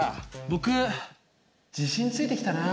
僕自信ついてきたな。